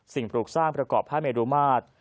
สิ่งปลูกสร้างประเกาะพระอเมรูมาตร